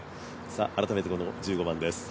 改めてこの１５番です。